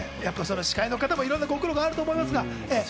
司会の方もご苦労があると思います。